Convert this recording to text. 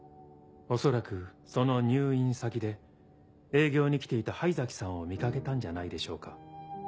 恐らくその入院先で営業に来ていた灰崎さんを見掛けたんじゃないでしょうか。